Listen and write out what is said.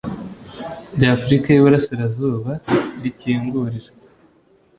By’afurika y’Iburasirazuba, rikingurira